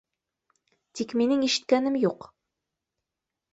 Тик минең ишеткәнем юҡ